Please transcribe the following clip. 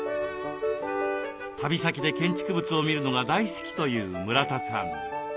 旅先で建築物を見るのが大好きという村田さん。